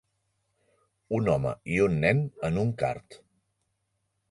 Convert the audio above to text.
Un home i un nen en un kart.